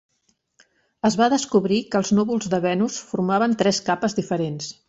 Es va descobrir que els núvols de Venus formaven tres capes diferents.